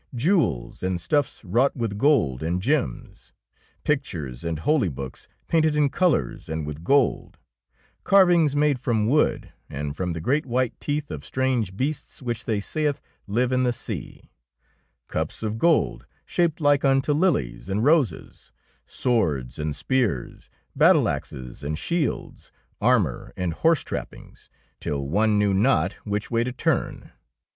Jewels and stuffs wrought with gold and gems ; pictures and holy books painted in colours and with gold ; carv ings made from wood, and from the great white teeth of strange beasts which they saith live in the sea; cups of gold shaped like unto lilies and roses; swords and spears, battle axes and shields, armour and horse trap pings, till one knew not which way to turn.